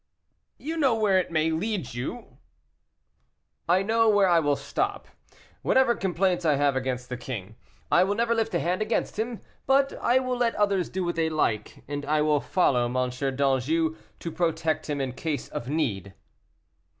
"You know where it may lead you?" "I know where I will stop; whatever complaints I have against the king, I will never lift a hand against him; but I will let others do what they like, and I will follow M. d'Anjou to protect him in case of need."